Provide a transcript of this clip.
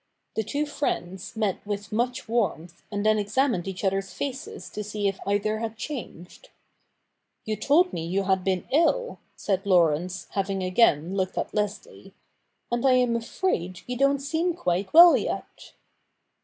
The two friends met with much warmth, and then examined each other's faces to see if either had changed . CH. i] THE NEW REPUBLIC 1 1 ' You told me you had been ill,' said Laurence, having again looked at Leslie, ' and I am afraid you don't seem quite well yet.'